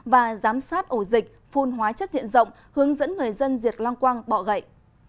và giám sát ổ dịch phun hóa chất diện rộng hướng dẫn người dân diệt long quang bọ gậy